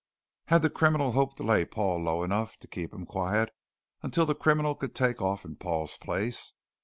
Had the criminal hoped to lay Paul low enough to keep him quiet until the criminal could take off in Paul's place?